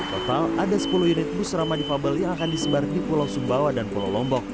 total ada sepuluh unit bus ramah difabel yang akan disebar di pulau sumbawa dan pulau lombok